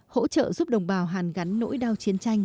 hỗ trợ giúp đồng bào hàn gắn nỗi đau chiến tranh